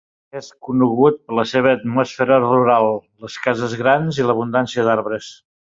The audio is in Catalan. És conegut per la seva atmosfera rural, les cases grans i l'abundància d'arbres.